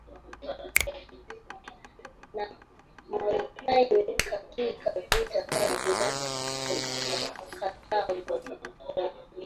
na Mauretania Katika vita kati ya Karthago